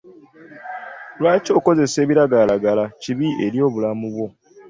Lwaki okukozesa ebiragalalagala kibi eri obulamu bwo?